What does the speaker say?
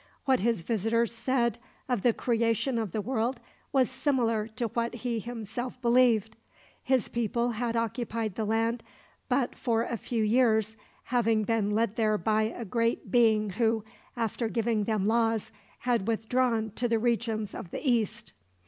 What his visitors said of the creation of the world was similar to what he himself believed. His people had occupied the land but for a few years, having been led there by a great being who, after giving them laws, had withdrawn to the regions of the east.